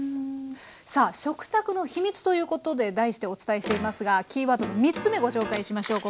さあ「食卓の秘密」ということで題してお伝えしていますがキーワードの３つ目ご紹介しましょう